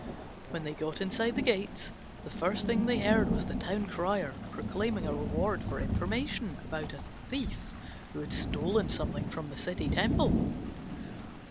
When they got inside the gates the first thing they heard was the town crier proclaiming a reward for information about a thief who had stolen something from the city temple.